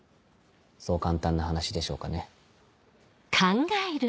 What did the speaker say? そう簡単な話でしょうかね。